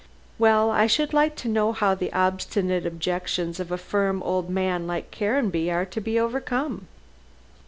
"Well, I should like to know how the obstinate objections of a firm old man like Caranby are to be overcome."